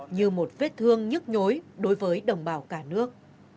như một vết thương nhức nhối đối với đồng bào cả nước